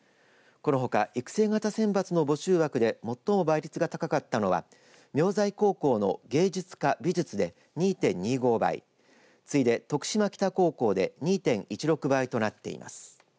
このほか育成型選抜の募集枠で最も倍率が高かったのは名西高校の芸術科美術で２．２５倍次いで徳島北高校で２．１６倍となっています。